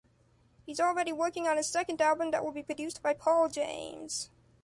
He’s already working on his second album that will be produced by Paul James.